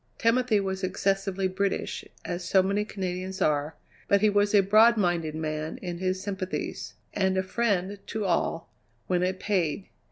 Timothy was excessively British, as so many Canadians are, but he was a broad minded man in his sympathies, and a friend to all when it paid.